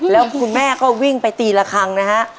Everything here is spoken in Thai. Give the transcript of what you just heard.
แล้วคุณแม่ก็วิ่งไปตีละครั้งนะฮะ